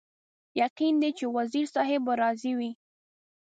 یقین دی چې وزیر صاحب به راضي وي.